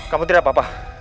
kamu tidak apa apa